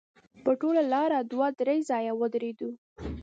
په ټوله لاره دوه درې ځایه ودرېدو.